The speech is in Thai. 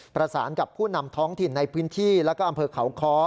ประสานกับผู้นำท้องถิ่นในพื้นที่แล้วก็อำเภอเขาค้อ